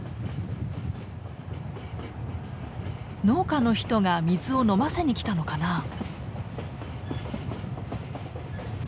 農家の人が水を飲ませにきたのかな？